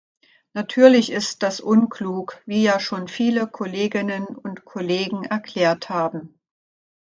Natürlich ist das unklug, wie ja schon viele Kolleginnen und Kollegen erklärt haben.